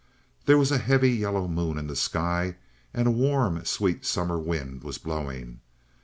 There was a heavy yellow moon in the sky, and a warm, sweet summer wind was blowing.